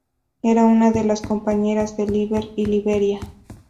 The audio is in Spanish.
Era una de las compañeras de Liber y Libera.